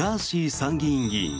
参議院議員。